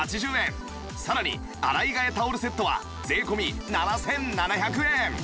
さらに洗い替えタオルセットは税込７７００円